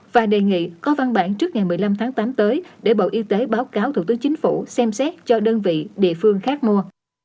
và đề nghị có văn bản trước ngày một mươi năm tháng tám tới để bộ y tế báo cáo thủ tướng chính phủ xem xét cho đơn vị địa phương khác mua